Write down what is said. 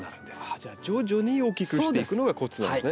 じゃあ徐々に大きくしていくのがコツなんですね。